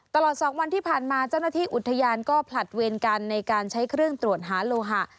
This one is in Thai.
ตลอด๒วันที่ผ่านมาเจ้าหน้าที่อุทยานก็ผลัดเวรกันในการใช้เครื่องตรวจหาโลหะ